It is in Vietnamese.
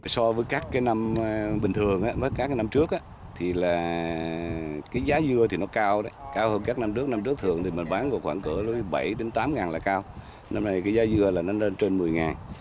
so với các năm bình thường các năm trước thì giá dưa nó cao cao hơn các năm trước năm trước thường mình bán khoảng bảy tám ngàn là cao năm nay giá dưa nó lên trên một mươi ngàn